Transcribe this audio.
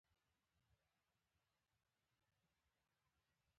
د محمد وېس مهربان او عبدالقاهر جان ملګرتیا نیکمرغه شوه.